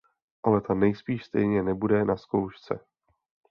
Ale ta nejspíš stejně nebude na zkoušce.